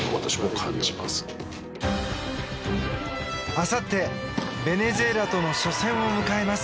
あさってベネズエラとの初戦を迎えます。